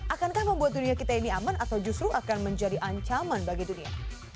akankah membuat dunia kita ini aman atau justru akan menjadi ancaman bagi dunia